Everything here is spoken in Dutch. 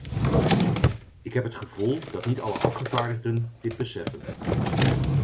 Ik heb het gevoel dat niet alle afgevaardigden dit beseffen.